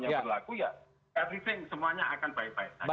ya semuanya akan baik baik